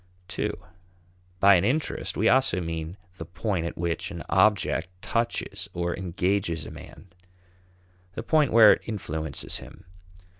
(ii) By an interest we also mean the point at which an object touches or engages a man; the point where it influences him.